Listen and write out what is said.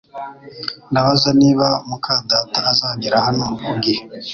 Ndabaza niba muka data azagera hano ku gihe